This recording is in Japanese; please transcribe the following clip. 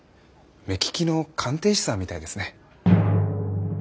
目利きの鑑定士さんみたいですね。